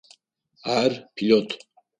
Ар пилот.